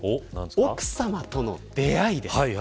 奥さまとの出会いです。